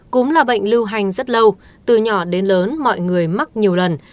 cúm là bệnh lưu hành rất lâu từ nhỏ đến lớn mọi người mắc nhiều lần